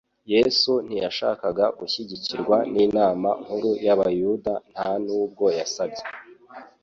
Yesu ntiyashakaga gushyigikirwa n'inama nkuru y'abayuda, nta nubwo yasabye.